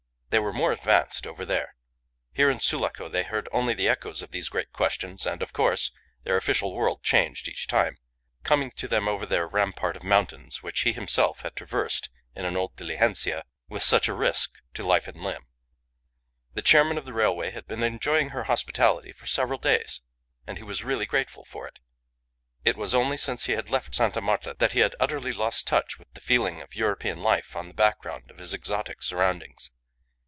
They were more advanced over there. Here in Sulaco they heard only the echoes of these great questions, and, of course, their official world changed each time, coming to them over their rampart of mountains which he himself had traversed in an old diligencia, with such a risk to life and limb. The chairman of the railway had been enjoying her hospitality for several days, and he was really grateful for it. It was only since he had left Sta. Marta that he had utterly lost touch with the feeling of European life on the background of his exotic surroundings.